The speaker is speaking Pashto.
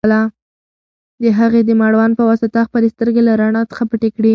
هغې د مړوند په واسطه خپلې سترګې له رڼا څخه پټې کړې.